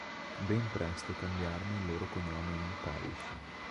Ben presto cambiarono il loro cognome in "Parish".